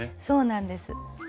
そうなんです。